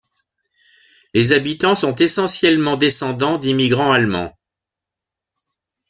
Les habitants sont essentiellement descendants d'immigrants allemands.